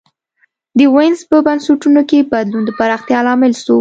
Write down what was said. د وینز په بنسټونو کي بدلون د پراختیا لامل سو.